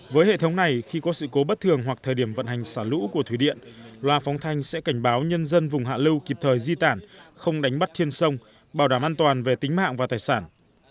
với hệ thống này khi có sự cố bất thường hoặc thời điểm vận hành xả lũ của thủy điện loa phóng thanh sẽ cảnh báo nhân dân vùng hạ lưu kịp thời di tản không đánh bắt trên sông bảo đảm an toàn về tính mạng và tài sản